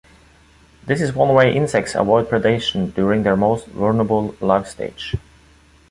This is one way insects avoid predation during their most vulnerable life stage.